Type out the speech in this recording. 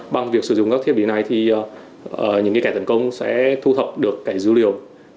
bằng việc sử dụng các thiết bị này thì những kẻ tấn công sẽ thu thập được cái dữ liệu